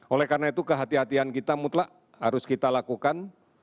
oleh karena itu kehatian kita mutlak harus kita lakukan